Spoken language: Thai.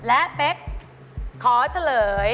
และเป๊กขอเฉลย